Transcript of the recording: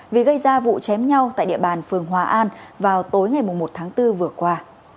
vì gây ra vụ chém nhau tại địa bàn phường hòa an vào tối ngày một tháng bốn vừa qua